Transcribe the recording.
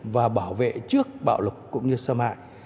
và bảo vệ trước bạo lực cũng như xâm hại